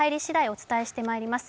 お伝えしてまいります。